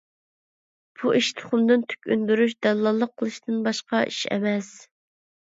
بۇ ئىش تۇخۇمدىن تۈك ئۈندۈرۈش، دەللاللىق قىلىشتىن باشقا ئىش ئەمەس.